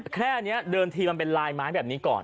แค่นี้เดิมทีมันเป็นลายไม้แบบนี้ก่อน